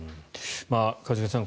一茂さん